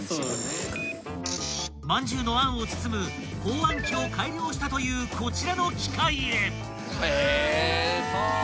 ［まんじゅうのあんを包む包あん機を改良したというこちらの機械へ］